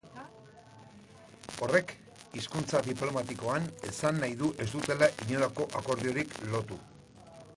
Horrek, hizkuntza diplomatikoan, esan nahi du ez dutela inolako akordiorik lotu.